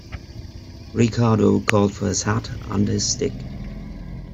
Ricardo called for his hat and his stick.